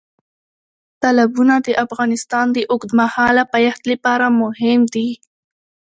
تالابونه د افغانستان د اوږدمهاله پایښت لپاره مهم دي.